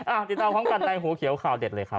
อ้าวติดตามความรักในหัวเขียวขาวเด็ดเลยครับ